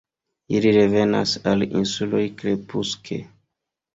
Ili revenas al insuloj krepuske.